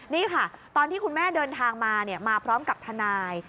นี่ค่ะตอนที่คุณแม่เดินทางมามาพร้อมกับทนาย